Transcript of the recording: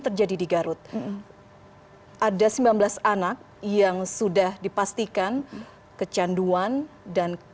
terjadi di garut ada sembilan belas anak yang sudah dipastikan kecanduan dan